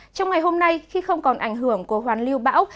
trong ngày hôm nay khi không còn ảnh hưởng của hoàn lưu bão